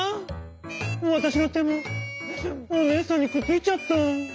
わたしのてもおねえさんにくっついちゃった！」。